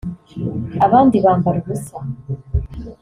abandi bambara ubusa